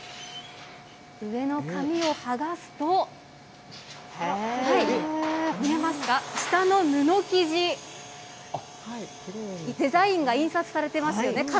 上の紙を剥がすと、見えますか、下の布生地に、デザインが印刷されてますよね。